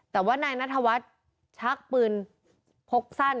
แต่ว่านายนัทวัฒน์ชักปืนพกสั้น